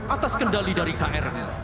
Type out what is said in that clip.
atas kendali dari kri